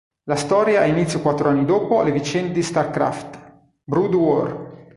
La storia ha inizio quattro anni dopo le vicende di StarCraft: Brood War.